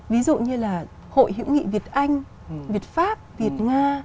ví dụ như là hội hữu nghị việt anh việt pháp việt nga